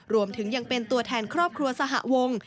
รวมถึงยังเป็นตัวแทนครอบครัวสหวง